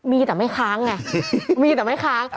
มีแต่ไม่ค้างไงมีแต่ไม่ค้าง